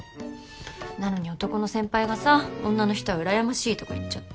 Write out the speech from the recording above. なのに男の先輩がさ女の人はうらやましいとか言っちゃって。